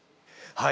はい！